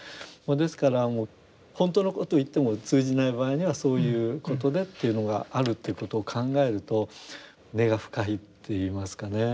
ですから本当のことを言っても通じない場合にはそういうことでというのがあるということを考えると根が深いっていいますかね。